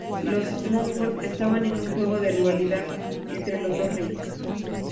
Los Monfort estaban en un juego de rivalidad entre los dos reyes.